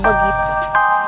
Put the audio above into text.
ya aku mau tidur